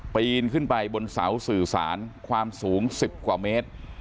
ปีนขึ้นไปบนเสาสื่อสารความสูง๑๐กว่าเมตร